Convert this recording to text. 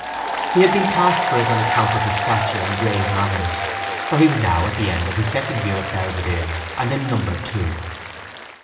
He had been cast for it on account of his stature and grave manners for he was now at the end of his second year at Belvedere and in number two.